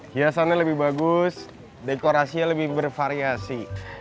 hiasannya lebih bagus dekorasinya lebih bervariasi